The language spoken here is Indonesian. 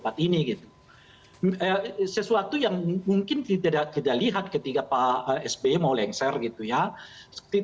mungkin tidak tidak lihat ketika pak sby mau lengser gitu ya sesuatu yang mungkin tidak tidak lihat ketika pak sby mau lengser gitu ya sesuatu yang mungkin tidak lihat ketika pak sby mau lengser gitu ya